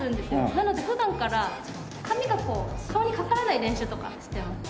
なので普段から髪が顔にかからない練習とかしてます。